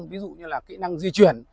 ví dụ như kỹ năng di chuyển